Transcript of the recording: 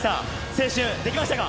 青春、できましたか？